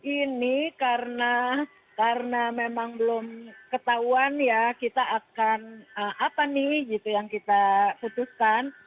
ini karena memang belum ketahuan ya kita akan apa nih gitu yang kita putuskan